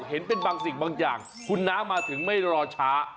เห็นเป็นบางสิ่งบางอย่างคุณน้ามาถึงไม่รอช้า